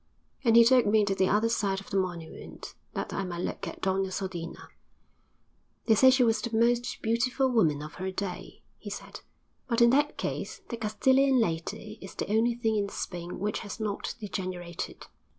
And he took me to the other side of the monument, that I might look at Doña Sodina. 'They say she was the most beautiful woman of her day,' he said, 'but in that case the Castilian lady is the only thing in Spain which has not degenerated.'